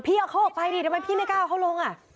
พี่เอาแล้วลงไปดิที่มิกล้าเอาแล้วลงละ